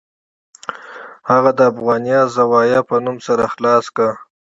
هغه د افغانیه زاویه په نوم سر خلاص کړ.